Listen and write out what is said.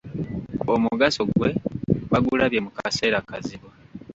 Omugaso gwe bagulabye mu kaseera kazibu.